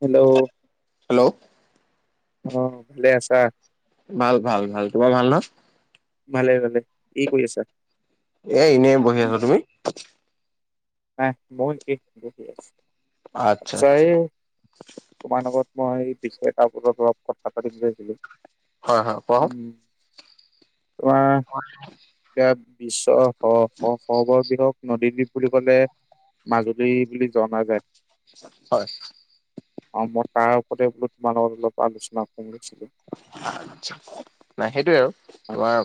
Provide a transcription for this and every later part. Hello hello অ ভালে আছা? ভাল, ভাল, ভাল তোমাৰ ভাল ন? ভালে ভালে কি কৰি আছা? এ এনেই বহি আছো, তুমি? আহ, ম'ও একে বহি আছো, আচ্ছা এই তোমাৰ লগত মই এই বিষয় এটাৰ ওপৰত অলপ অলপ কথা পাতি গৈ আছিলো। হয় হয় কোৱাচোন উম ওআহ হয় আইছ ইয়াত বিশ্বৰ স স সৰ্ববৃহৎ নদীদ্বীপ বুলি ক'লে মাজুলী বুলি জনায়াই। হয়। অ, মই তাৰ ওপৰতে বোলো তোমাৰৰ অলপ আলোচনা কৰিছিলো। আচ্ছা, নাই সেইটোৱে আৰু হয় তোমাৰ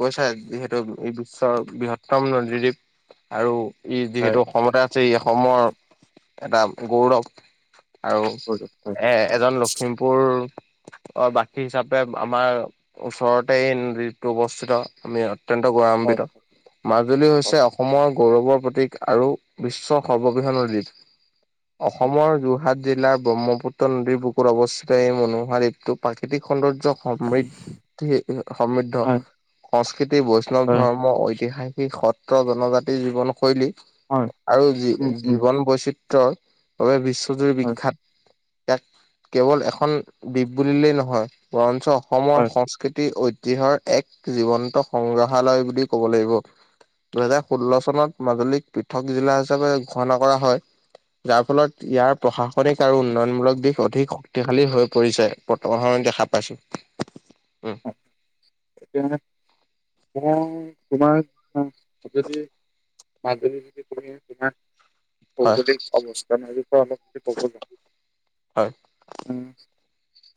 কৈছা যিহেতু এই বিশ্বৰ বৃহত্তম নদীদ্বীপ আৰু ই হয় যিহেতু অসমতে আছে ই অসমৰ এটা গৌৰৱ। আৰু হয় এ এজন লখিমপুৰ, অ বাকী সেই হিচাপে আমাৰ ওচৰতে এই নদীটো অৱস্থিত, আমি অত্যন্ত হয় গৌৰৱান্বিত, মাজুলী হয় হৈছে অসমৰ গৌৰৱৰ প্ৰতীক আৰু বিশ্বৰ সৰ্ববৃহৎ নদীদ্বীপ। অসমৰ যোৰহাট জিলাৰ ব্ৰহ্মপুত্ৰ নদীৰ বুকুত অৱস্থিত এই মনোহা দ্বীপটো পাকি কৃতিক সৌন্দৰ্য সমৃদ্ধি এ আ সমৃদ্ধ হয় হয় সংস্কৃতিৰ বৈষ্ণৱ হয় ধৰ্ম ঐতিহাসিক সৎ আকৌ জনজাতি জীৱনশৈলী হয় আৰু জী উম উম জীৱন বৈচি তো বাবে বিশ্বজুৰি হয় বিখ্যাত ইয়াক কেৱল এখন দ্বীপ বুলিলেই নহ হয়, বৰঞ্চ অসমৰ হয় সংস্কৃতি ঐত ঐতিহ্যৰ এক জীৱন্ত সংগ্ৰহালয় বুলি ক'ব লাগিব। দুহেজাৰ ষোল্ল চনত মাজুলীক পৃথক জিলা হিচাপে ঘোষণা কৰা হয়। যাৰ ফলত ইয়াৰ প্ৰশাসনিক আৰু উন্নয়নমূলক দিশ অধিক শক্তিশালী হৈ পৰিছে। পথ অখন দেখা পাইছো। উম অ, এতিয়া মানে অ তোমাৰ যদি মাধুৰী [unintelligible] হয় ভৌগোলিক অৱস্থানৰ বিষয়ে অলপ কি ক'ব। হয় উম,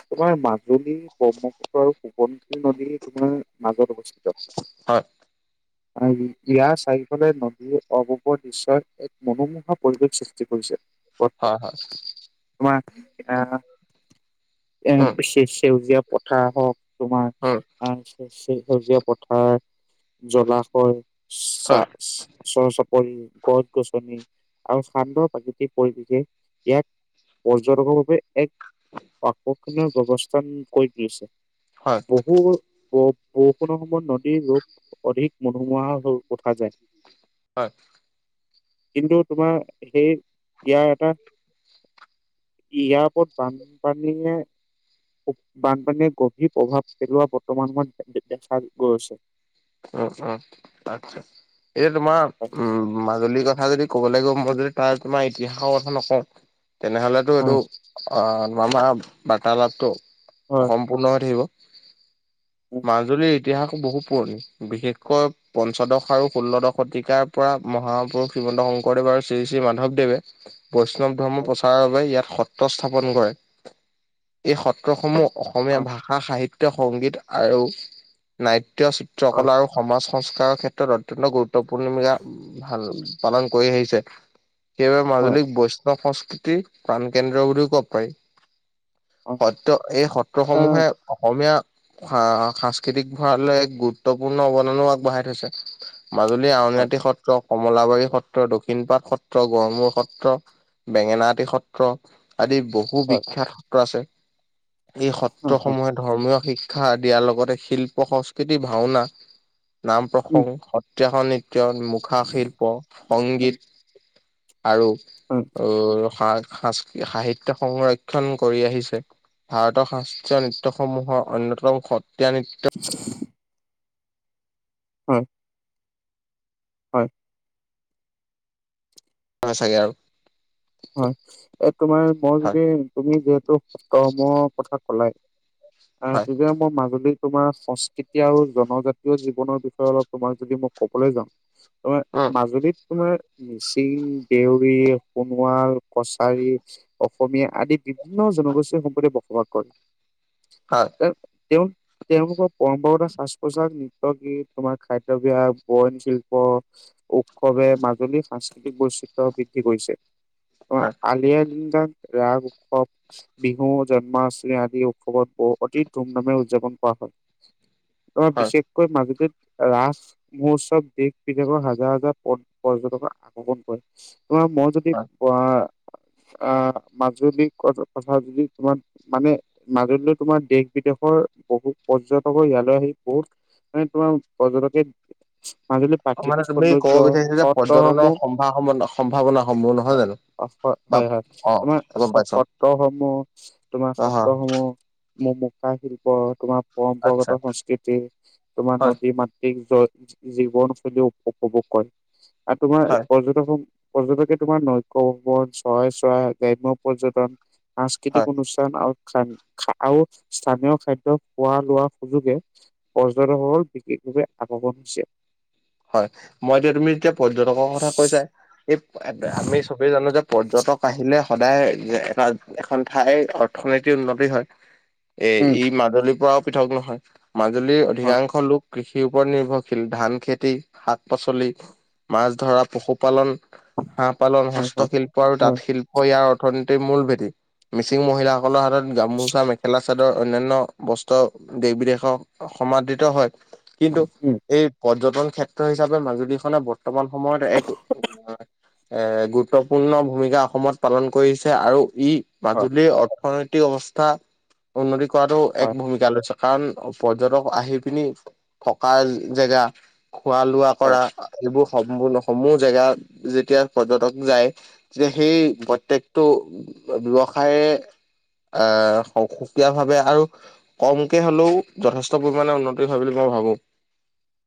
তোমাৰ এ মাজুলী, ব্ৰহ্মপুত্ৰ আৰু সোৱণশিৰি নদী তোমাৰ মাজত অৱস্থিত। হয় [inaudible] অ ই ইয়াৰ চাৰিফালে নদীৰ অপূৰ্ব দৃশ্যৰ এক মনোমোহা পৰিৱেশ সৃষ্টি কৰিছে। অ', হয় হয় তোমাৰ [unintelligible] এ, উম সেই সে-সেউজীয়া পথাৰ হওক তোমাৰ উম অ', সে-সে-সেউজীয়া পথাৰ জলাশয়, চা হয় চৰ-চাপৰি, গছ-গছনি আৰু শান্ত প্ৰাকৃতিক পৰিস্থিতি ইয়াত পৰ্যটকৰ বাবে এক [unintelligible] পথখিনিৰ ব্যৱস্থান কৰি তুলিছে। হয়। বহু বৰ-বৰষুণৰ সময়ত নদীৰ ৰূপ অধিক মনোমোহা হৈ উঠা যায়। হয়। কিন্তু তোমাৰ সেই ইয়াৰ এটা ইয়াৰ ওপৰত বানপানীয়ে, বানপানীয়ে গভীৰ প্ৰভাৱ পেলুৱা বৰ্তমান সময়ত দেখা গৈছে। উম উম, আচ্ছা, এই তোমাৰ হয়, উম। মাজুলীৰ কথা যদি ক'ব লাগিব, মই যদি তাৰ তোমাৰ ইতিহাসৰ কথা নকওঁ তেনেহলেতো এইটো হয়, আ, আমাৰ বাৰ্তালাপটো হয়, অসম পূৰ্ণ হৈ থাকিব। উম, মাজুলীৰ ইতিহাস বহুত পুৰণি, বিশেষকৈ পঞ্চদশ আৰু ষোল্লদশ শতিকাৰ পৰা মহাপুৰুষ শ্ৰীমন্ত শংকৰদেৱ আৰু শ্ৰী শ্ৰী মাধৱদেৱে বৈষ্ণৱ ধৰ্ম হয়, প্ৰচাৰৰ বাবে ইয়াত সত্ৰ স্থাপন কৰে। এই সত্ৰসমূহ অসমীয়া হয়, ভাষা সাহিত্য, সংগীত আৰু নাট্য, হয়, চিত্ৰকলা আৰু সমাজ সংস্কাৰৰ ক্ষেত্ৰত অত্যন্ত গুৰুত্বপূৰ্ণ ভূমিকা ভাল, পালন কৰি আহিছে। সেইবাবে হয়, মাজুলীক বৈষ্ণৱ সংস্কৃতিৰ প্ৰাণকেন্দ্ৰ বুলিও ক'ব পাৰি। হয়, সত্ৰ, এই আহ, সত্ৰসমূহে অসমীয়া সা-সাংস্কৃতিক ভৰালে গোট গুৰুত্বপূৰ্ণ অৱদানো আগবঢ়াই থৈছে। মাজুলী হয়, আউনীআটী সত্ৰক কমলাবাৰী সত্ৰ, দক্ষিণপাট সত্ৰ, গড়মূৰ সত্ৰ, বেঙেনাআটী সত্ৰ সত্ৰ, আদি বহু হয় বিখ্যাত সত্ৰ আছে। এই হয় হয় সত্ৰসমূহে ধৰ্মীয় শিক্ষা দিয়াৰ লগতে শিল্প সংস্কৃতি ভাওনা, নাম উম, প্ৰসংগ সত্ৰীয়া নৃত্য, মুখা শিল্প, উম, সংগীত আৰু হয়, আৰু সা সাচ-সাহিত্য সংৰক্ষণ কৰি আহিছে। ভাৰতৰ শাস্ত্ৰীয় নৃত্যসমূহৰ অন্যতম সত্ৰীয়া নৃত্য হয়। হয়। হয় চাগে আৰু হয়, এ তোমাৰ মই হয় যদি তুমি যিহেতু সত্ৰসমূহৰ কথা কলাই আ, হয় তেতিয়া [unintelligible] মই মাজুলী তোমাৰ সংস্কৃতি আৰু জনজাতীয় জীৱনৰ বিষয়ে অলপ তোমাক যদি মই ক'বলে যাওঁ ঐ, উম মাজুলীত তোমাৰ মিচিং, দেউৰী সোণোৱাল, কছাৰী, অসমীয়া আদি বিভিন্ন জনগোষ্ঠীৰ সম্পদে বসবাস কৰে। হয়। [unintelligible] তেওঁ তেওঁলোকৰ পৰম্পৰাগত সাজ-পোছাক, নৃত্য-গীত, তোমাৰ খাদ্যবাস, বয়ন শিল্প উৎসৱে মাজুলীৰ সাংস্কৃতিক বৈচিত্ৰ বৃদ্ধি কৰিছে। হয় আলি-আলিংগা ৰাগ উৎসৱ বিহু, জন্মাষ্টমী আদি উৎসৱত বহ অতি ধুমধামে উদযাপন কৰা হয়। অ, হয় বিশেষকৈ মাজলীত ৰাস মহোৎসৱ দেশ-বিদেশৰ হাজাৰ-হাজাৰ পৰ্যটকক আকৰ্ষণ কৰে। তোমাৰ মই যদি হয়। আহ আহ, মাজুলী ক-কথা যদি তোমাক মানে মাজুলীলৈ তোমাৰ দেশ-বিদেশৰ বহুত পৰ্যটকৰ ইয়ালৈ আহি বহুত মানে তোমাৰ পৰ্যটকে মাজুলীৰ অ মানে প্ৰাকৃতিক সৌন্দৰ্য, সত্ৰসমূহ সভা, সমন্বয়, সম্ভাৱনা, সম্পূৰ্ণ নহয় জানো? বা হয়-হয়-হয়, অ তোমাৰ গম পাইছ সত্ৰ সমূহ, তোমাৰ অ হয় সত্ৰ সমূহ মুখ-মুখা শিল্প, তোমাৰ পৰম্পৰাগত আচ্ছা সংস্কৃতি, তোমাৰ হয় নদী মাত দীঘজয়, জীৱনশৈলী উপভোগ কৰে আৰু তোমাৰ হয় পৰ্যটকসমূহ-পৰ্যটকে তোমাৰ নৈক ভ্ৰৱন, চৰাই-চৰাই, গ্ৰাম্য পৰ্যটন, সাংস্কৃতিক হয় অনুষ্ঠান আৰু স্থানীয় খাদ্য খোৱা লোৱা সুযোগে পৰ্যটকসকল বিশেষভাৱে আগমন হৈছে। হয়, মই এতিয়া তুমি যেতিয়া পৰ্যটকৰ কথা কৈছাই এই, আমি চবেই জানো যে পৰ্যটক আহিলে সদায় এটা, এখন ঠাই অৰ্থনীতি উন্নতি হয়। এ উম ই মাজুলীৰ পৰাওঁ পৃথক নহয়। মাজুলীৰ হয় অধিকাংশ লোক কৃষিৰ ওপৰত নিৰ্ভৰশীল। ধান খেতি, শাক- পাচলি, মাছ ধৰা, পশুপালন হাঁহ পালন, হয় হয় হস্তশিল্প আৰু হয় তাঁতশিল্প ইয়াৰ অৰ্থনীতিৰ মূল ভেটি। মিচিং মহিলা সকলৰ হাতত গামোচা, মেখেলা-চাদৰ, অন্যান্য বস্ত্ৰ দেশ-বিদেশক সমাদৃত হয়। কিন্তু উম এই পৰ্যটন ক্ষেত্ৰ হিচাপে মাজুলীখনে বৰ্তমান বৰ্তমান সময়ত এক এ গুৰুত্বপূৰ্ণ ভূমিকা অসমত পালন কৰিছে। আৰু ই হয় মাজুলীৰ অৰ্থনৈতিক অৱস্থা উন্নতি কৰাতো, হয় এক ভূমিকা লৈছে। কাৰণ পৰ্যটক আহি পিনি থকাৰ জেগা খোৱা লোৱা কৰা, হয় এইবোৰ সমূ-সমূহ জেগা যেতিয়া পৰ্যটক যায় যে সেই উম, প্ৰত্যয়ক টো ব্যৱসায়ে আহ, সুকীয়া ভাৱে আৰু কমকে হ'লেও যথেষ্ট পৰিমাণে উন্নতি হয়, বুলি মই ভাবোঁ।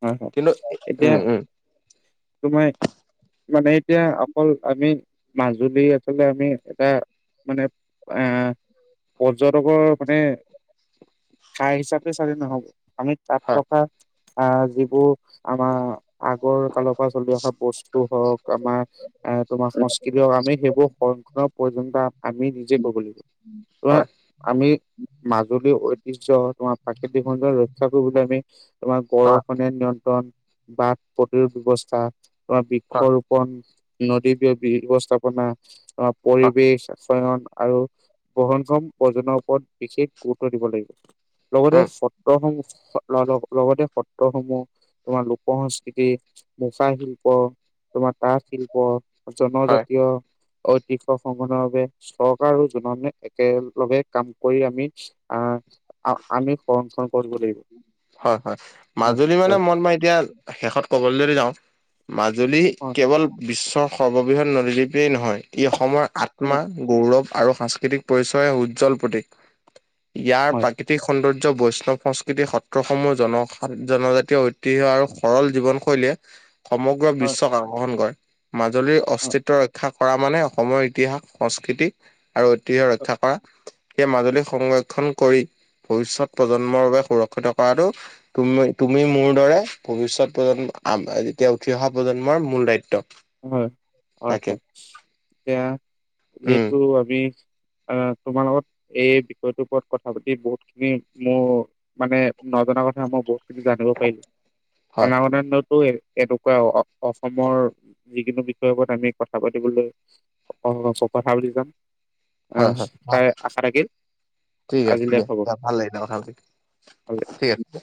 হয়-হয়, এতিয়া উম তোমাৰ মানে এতিয়া অকল আমি মাজুলী আচলতে আমি এটা মানে আহ, পৰ্যটকৰ মানে ঠাই হিচাপে সেইটো চালে নহ'ব। আমি তাত হয় থকা আহ, যিবোৰ আমাৰ আগৰ কালৰ পৰা চলি অহা বস্তু হওক, আমাৰ আহ, তোমাৰ সংস্কৃতি হওক, আমি সেইবোৰ সংৰক্ষণৰ প্ৰয়োজনীয়তা আমি নিজে কৰিব লাগিব। উম' তোমাৰ হয়। আমি মাজুলী ঐতিহ্য, তোমাৰ প্ৰাকৃতিক সৌন্দৰ্য্য ৰক্ষা কৰিবলৈ আমি তোমাৰ হয় বৰষুণে নিয়ন্ত্ৰণ, বাট প্ৰতিৰোধ ব্যৱস্থা, তোমাৰ হয় বৃক্ষ ৰোপন। নদীৰ ব্যৱস্থাপনা, অ, হয় পৰিৱেশ শয়ন আৰু বহন ক্ৰম প্ৰজনৰ ওপৰত বিশেষ গুৰুত্ব দিব লাগিব। লগতে উম সত্ৰ সং, লগতে সত্ৰ সত্ৰসমূহ তোমাৰ লোক সংস্কৃতি, মুখা শিল্প, তোমাৰ তাঁত শিল্প, হয় জনজাতীয়, ঐতিহ্য সংগনৰ বাবে চৰকাৰ আৰু জনগণে একেলগে কাম কৰি আমি আহ, আমি সংৰক্ষণ কৰিব লাগিব। হয়-হয়, হয় মাজুলী মানে মন মই এতিয়া শেষত কবলৈ যদি যাওঁ মাজুলী হয় কেৱল বিশ্বৰ সৰ্ববৃহৎ নদীদ্বীপ এই নহয়, ই অসমৰ আত্মা, গৌৰৱ আৰু সাংস্কৃতিক পৰিচয়ৰ উজ্জ্বল প্ৰতীক। ইয়াৰ প্ৰাকৃতি হয় প্ৰাকৃতিক সৌন্দৰ্য, বৈষ্ণৱ সংস্কৃতিৰ সত' সত্ৰসমূহ, জন সং, জনজাতীয়, ঐতিহ্য আৰু সৰল জীৱন শৈলীয়ে', সমগ্ৰ হয় বিশ্বক আকৰ্ষণ কৰে। মাজুলীৰ হয় অস্তিত্ব ৰক্ষা' কৰা মানে অসমৰ ইতিহাস সংস্কৃতি আৰু ঐতিহ্য ৰক্ষা কৰা। সেই মাজুলী সংৰক্ষণ কৰি, ভৱিষ্যত প্ৰজন্মৰ বাবে সুৰক্ষিত কৰাটো তুমি-তুমি মোৰ দৰে ভৱিষ্যত প্ৰজন্ম, যেতিয়া উঠি অহা প্ৰজন্মৰ মূল দায়িত্ব। হয়, হয়, তাকে হয় এতিয়া উম যিহেতু আমি। আহ তোমাৰ লগত এই বিষয়টোৰ ওপৰত কথা পাতি বহুতখিনি মো মানে নজনা কথা আম ব- জানিব পাৰিম হয় অনাগতো এনেকুৱা অ অসমৰ। যিকোনো বিষয়ৰ ওপৰত আমি কথা পাতিবলৈ স কথা পাতি যাম। আহ হয় হয় ভাল তাই আশা থাকিল ঠিক আছে আজিলে হ'ব। দিয়া ভাল লাগিছে কথা পাতি ঠিক আছে।